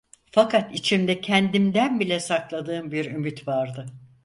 Fakat içimde kendimden bile sakladığım bir ümit vardı.